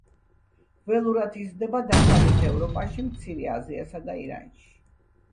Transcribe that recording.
ველურად იზრდება დასავლეთ ევროპაში, მცირე აზიასა და ირანში.